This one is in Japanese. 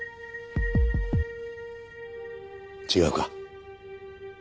違うか？